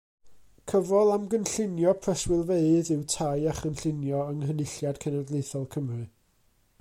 Cyfrol am gynllunio preswylfeydd yw Tai a Chynllunio yng Nghynulliad Cenedlaethol Cymru.